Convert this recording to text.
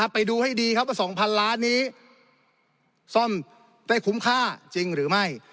ไปดูให้ดีครับว่า๒๐๐๐ล้านนี้ซ่อมได้คุ้มค่าจริงหรือไม่